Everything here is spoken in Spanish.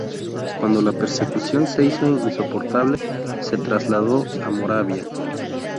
Cuando la persecución se hizo insoportable, se trasladó a Moravia.